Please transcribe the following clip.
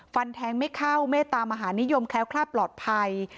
ฟันแทงไม่เข้าเมตตามหานิยมแคล้วคลาดปลอดภัย